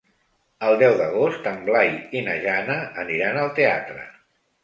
El deu d'agost en Blai i na Jana aniran al teatre.